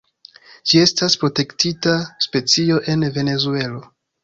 Ĝi estas protektita specio en Venezuelo.